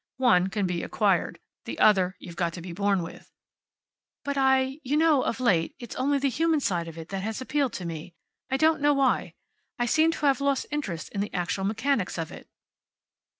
One can be acquired. The other you've got to be born with." "But I you know, of late, it's only the human side of it that has appealed to me. I don't know why. I seem to have lost interest in the actual mechanics of it."